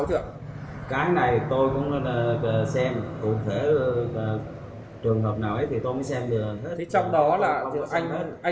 cái này tôi cũng xem cụ thể trường hợp nào ấy thì tôi mới xem được